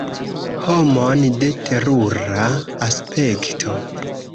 Homon de terura aspekto!